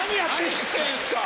何してんすか！